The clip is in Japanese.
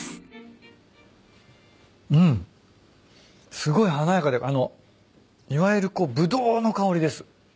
すごい華やかであのいわゆるブドウの香りです。